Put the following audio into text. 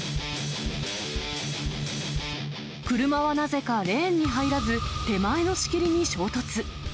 車はなぜかレーンに入らず、手前の仕切りに衝突。